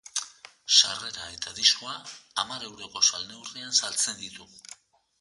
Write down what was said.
Sarrera eta diskoa hamar euroko salneurrian saltzen ditu.